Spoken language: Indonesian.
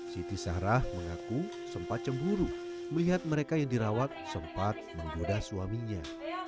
siti sarah mengaku sempat cemburu melihat mereka yang dirawat sempat menggoda suaminya